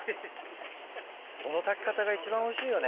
この炊き方が一番おいしいよね。